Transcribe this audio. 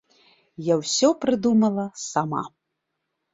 Я ўсё прыдумала сама.